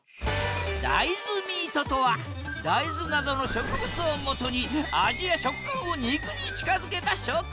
大豆ミートとは大豆などの植物をもとに味や食感を肉に近づけた食材！